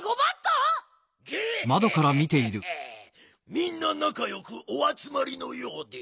みんななかよくおあつまりのようで。